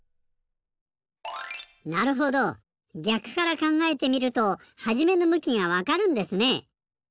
なるほどぎゃくからかんがえてみるとはじめの向きがわかるんですね。